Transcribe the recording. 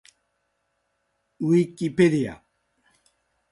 ウィキペディア